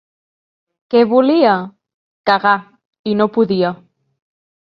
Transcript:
Què volia? —Cagar, i no podia.